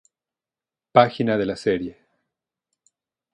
Página de la serie